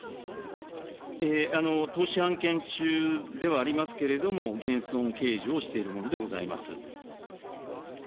投資案件中ではありますけれども、減損計上をしているものであります。